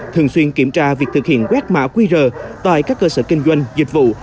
thường xuyên kiểm tra việc thực hiện quét mã quy rờ tại các cơ sở kinh doanh dịch vụ